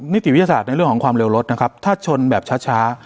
นิติวิทยาศาสตร์ในเรื่องของความเร็วรถนะครับถ้าชนแบบช้า